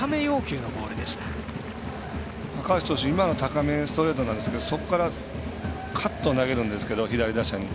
高橋投手、今の高めストレートなんですけどそこからカットを投げるんですけど、左打者に。